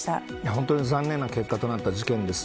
本当に残念な結果となった事件です。